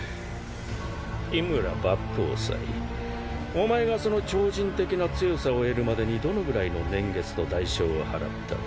お前がその超人的な強さを得るまでにどのぐらいの年月と代償を払ったか。